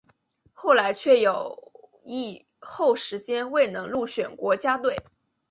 后来却有一后时间未能入选国家队。